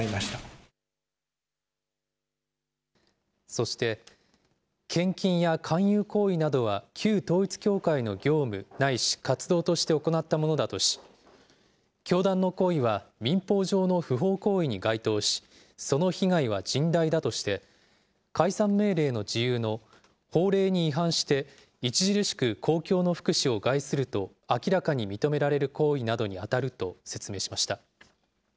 そして、献金や勧誘行為などは、旧統一教会の業務ないし活動として行ったものだとし、教団の行為は民法上の不法行為に該当し、その被害は甚大だとして、解散命令の事由の、法令に違反して、著しく公共の福祉を害すると明らかに認められる行為などに当たると説明しました。